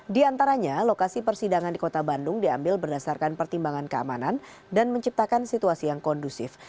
di antaranya lokasi persidangan di kota bandung diambil berdasarkan pertimbangan keamanan dan menciptakan situasi yang kondusif